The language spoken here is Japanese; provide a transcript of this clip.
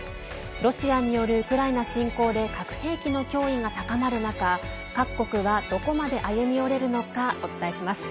ロシアによるウクライナ侵攻で核兵器の脅威が高まる中各国はどこまで歩み寄れるのかお伝えします。